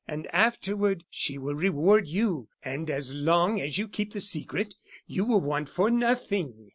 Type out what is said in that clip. And afterward she will reward you; and as long as you keep the secret you will want for nothing.